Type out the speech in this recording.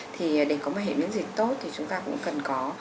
thì để có một hệ miễn dịch tốt thì chúng ta cũng cần có